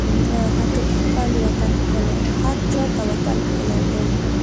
هرچا ته وطن ښکلی دی